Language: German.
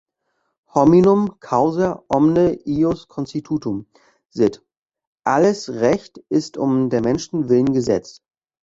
Hominum causa omne ius constitutum sit Alles Recht ist um der Menschen willen gesetzt.